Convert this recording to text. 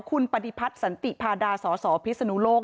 ขุนปฏิภัทรสันติภาษาดาสอสอภิทธิสนูโลก